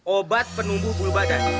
obat penumbuh bulu badan